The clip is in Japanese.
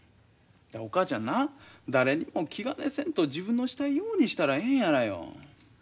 お母ちゃんな誰にも気兼ねせんと自分のしたいようにしたらええんやらよ。